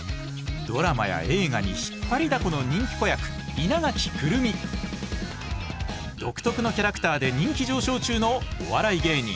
ドラマや映画にひっぱりだこの人気子役稲垣来泉独特のキャラクターで人気上昇中のお笑い芸人